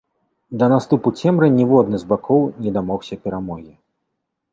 Да наступу цемры ніводны з бакоў не дамогся перамогі.